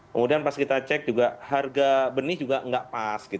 kemudian pas kita cek juga harga benih juga nggak pas